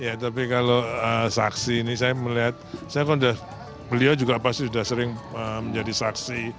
ya tapi kalau saksi ini saya melihat beliau juga pasti sudah sering menjadi saksi